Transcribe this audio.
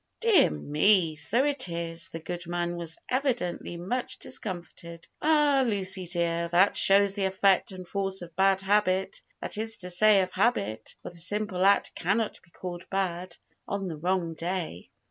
"Dear me, so it is!" The good man was evidently much discomfited. "Ah! Lucy dear, that shows the effect and force of bad habit; that is to say, of habit, (for the simple act cannot be called bad), on the wrong day."